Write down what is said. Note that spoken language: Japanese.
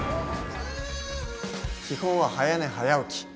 基本は早寝早起き。